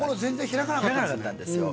開かなかったんですよ